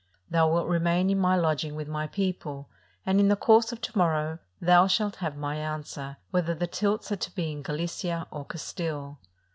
Thou wilt remain in my lodging with my people, and in the course of to morrow, thou shalt have my answer, whether the tilts are to be in Galicia or Castile."